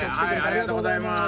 ありがとうございます。